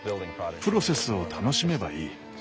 プロセスを楽しめばいい。